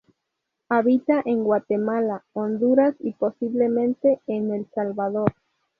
Habita en Guatemala, Honduras y posiblemente en El Salvador.